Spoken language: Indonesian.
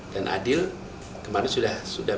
dan adil kemarin sudah